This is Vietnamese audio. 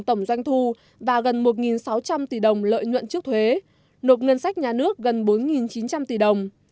tổng doanh thu và gần một sáu trăm linh tỷ đồng lợi nhuận trước thuế nộp ngân sách nhà nước gần bốn chín trăm linh tỷ đồng